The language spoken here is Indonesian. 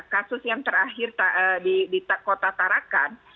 kasus yang terakhir di kota tarakan